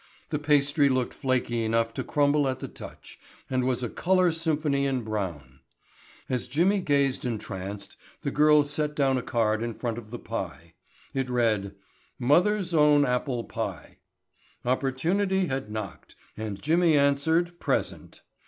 The pastry looked flaky enough to crumble at the touch and was a color symphony in brown. As Jimmy gazed entranced the girl set down a card in front of the pie. It read: "Mother's Own Apple Pie." Opportunity had knocked and Jimmy answered "present."